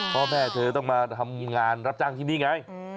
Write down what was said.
พ่อแม่เธอต้องมาทำงานรับจ้างที่นี่ไง